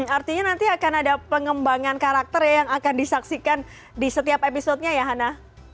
artinya nanti akan ada pengembangan karakter yang akan disaksikan di setiap episodenya ya hana